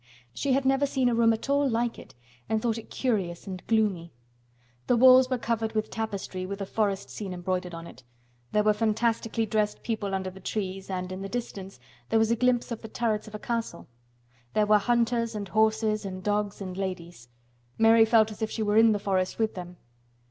She had never seen a room at all like it and thought it curious and gloomy. The walls were covered with tapestry with a forest scene embroidered on it. There were fantastically dressed people under the trees and in the distance there was a glimpse of the turrets of a castle. There were hunters and horses and dogs and ladies. Mary felt as if she were in the forest with them.